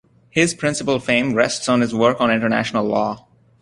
His principle fame rests on his work on international law.